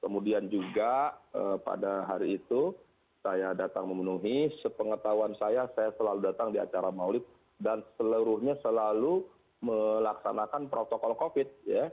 kemudian juga pada hari itu saya datang memenuhi sepengetahuan saya saya selalu datang di acara maulid dan seluruhnya selalu melaksanakan protokol covid